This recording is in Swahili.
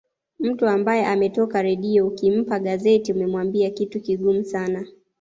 Mtu ambaye ametoka redio ukimpa gazeti umemwambia kitu kigumu sana